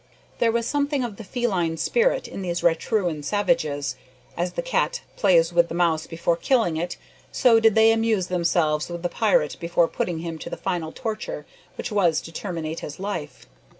There was something of the feline spirit in these Raturan savages. As the cat plays with the mouse before killing it, so did they amuse themselves with the pirate before putting him to the final torture which was to terminate his life.